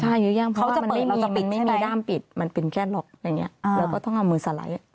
เพราะว่ามันไม่มีด้ามปิดมันเป็นแก้นหรอกเราก็ต้องเอามือสไลด์